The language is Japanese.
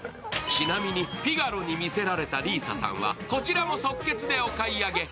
ちなみに、フィガロにみせられた里依紗さんはこちらも即決でお買い上げ。